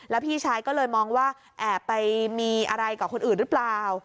แล้วพี่ชายก็เลยมองว่าแอบไปมีอะไรกับคนอื่นหรือเปล่า